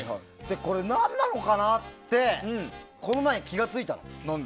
これ、何なのかなってこの前、気が付いたの。